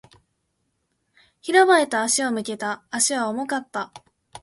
広場へと足を向けた。足は重かった。